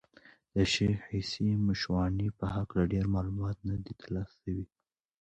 د شېخ عیسي مشواڼي په هکله ډېر معلومات نه دي تر لاسه سوي دي.